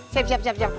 siap siap siap